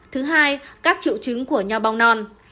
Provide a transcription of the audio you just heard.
thứ hai các triệu chứng của nho bong non